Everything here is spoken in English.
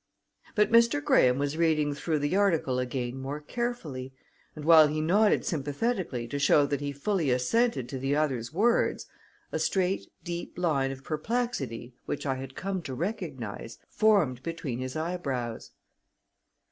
But Mr. Graham was reading through the article again more carefully, and while he nodded sympathetically to show that he fully assented to the other's words, a straight, deep line of perplexity, which I had come to recognize, formed between his eyebrows.